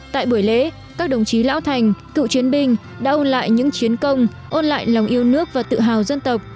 tại buổi lễ các đồng chí lão thành cựu chiến binh đã ôn lại những chiến công ôn lại lòng yêu nước và tự hào dân tộc